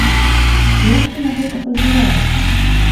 Як ты на гэта пазіраеш?